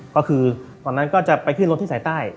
ก็คือตอนนั้นก็จะไปขึ้นรถที่สายใต้